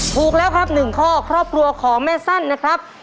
ถูกแล้วครับ๑ข้อครอบครัวของแม่สั้นนะครับ